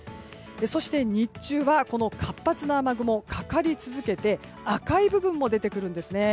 そして、日中は活発な雨雲がかかり続けて赤い部分も出てくるんですね。